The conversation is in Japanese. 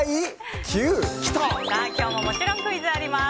今日ももちろんクイズあります。